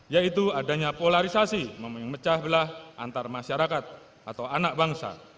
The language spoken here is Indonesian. yaitu adanya polarisasi memecah belah antarmasyarakat atau anak bangsa